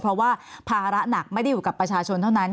เพราะว่าภาระหนักไม่ได้อยู่กับประชาชนเท่านั้น